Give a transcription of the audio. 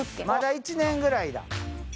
まだ１年ぐらいだ。